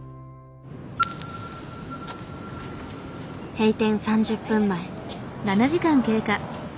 閉店３０分前。